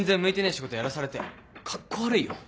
仕事やらされてカッコ悪いよ。